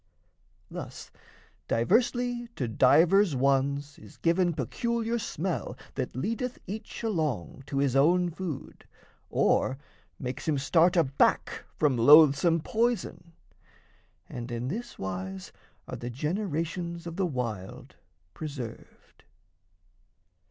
Thus, diversly to divers ones is given Peculiar smell that leadeth each along To his own food or makes him start aback From loathsome poison, and in this wise are The generations of the wild preserved.